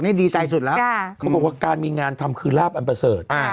นี่ดีใจสุดแล้วเขาบอกว่าการมีงานทำคือลาบอันประเสริฐ